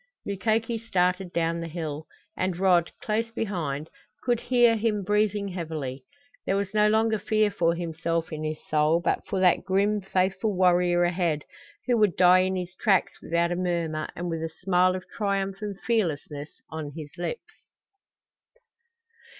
Mukoki started down the hill, and Rod, close behind, could hear him breathing heavily; there was no longer fear for himself in his soul, but for that grim faithful warrior ahead, who would die in his tracks without a murmur and with a smile of triumph and fearlessness on his lips.